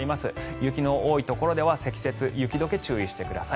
雪の多いところでは積雪、雪解け注意してください。